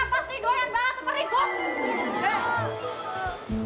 ngapas sih dua yang balas sama ribut